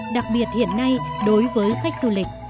đặc biệt hiện nay đối với khách du lịch